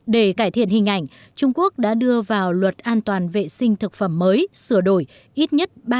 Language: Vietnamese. để cải thiện hình ảnh trung quốc đã đưa vào luật an toàn vệ sinh thực phẩm mới sửa đổi ít nhất ba trăm linh